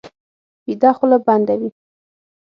ویده خوله بنده وي